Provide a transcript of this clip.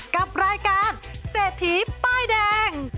กับรายการเศรษฐีป้ายแดง